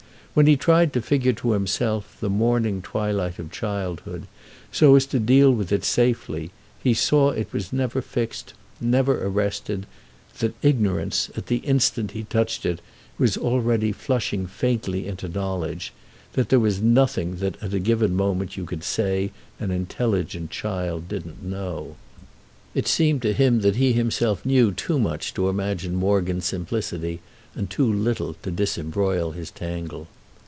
When he tried to figure to himself the morning twilight of childhood, so as to deal with it safely, he saw it was never fixed, never arrested, that ignorance, at the instant he touched it, was already flushing faintly into knowledge, that there was nothing that at a given moment you could say an intelligent child didn't know. It seemed to him that he himself knew too much to imagine Morgan's simplicity and too little to disembroil his tangle.